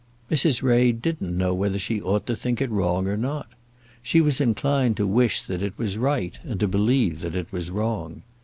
Mrs. Ray didn't know whether she ought to think it wrong or not. She was inclined to wish that it was right and to believe that it was wrong.